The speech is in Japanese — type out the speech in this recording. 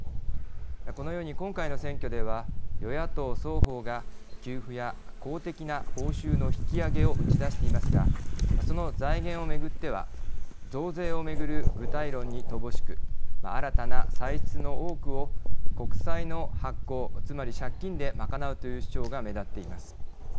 このように今回の選挙では与野党双方が給付や公的な報酬の引き上げを打ち出していますがその財源をめぐっては増税をめぐる具体論に乏しく新たな歳出の多くを国債の発行、つまり借金で賄うという主張が目立っています。